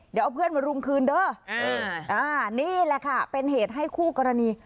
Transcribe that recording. เดี๋ยวเอาเพื่อนมารุมคืนเด้อนี่แหละค่ะเป็นเหตุให้คู่กรณี